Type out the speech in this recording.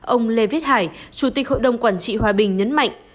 ông lê viết hải chủ tịch hội đồng quản trị hòa bình nhấn mạnh